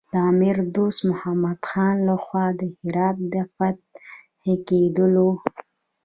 د امیر دوست محمد خان له خوا د هرات د فتح کېدلو.